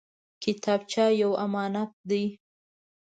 کتابچه یو امانت دی